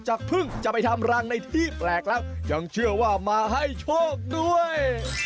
พึ่งจะไปทำรังในที่แปลกแล้วยังเชื่อว่ามาให้โชคด้วย